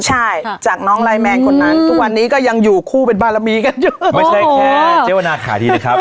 ใช่จากน้องไลน์แมนคนนั้นทุกวันนี้ก็ยังอยู่คู่เป็นบารมีกันอยู่ไม่ใช่แค่เจวนาขาดีนะครับ